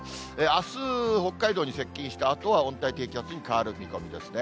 あす、北海道に接近したあとは温帯低気圧に変わる見込みですね。